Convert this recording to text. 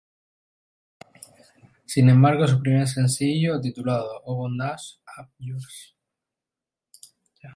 Sin embargo, su primer sencillo titulado "Oh Bondage Up Yours!